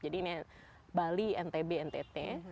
jadi ini bali ntb ntt